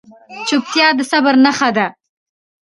چپتیا، د صبر نښه ده.